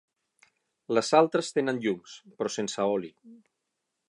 Les altres tenen llums, però sense oli.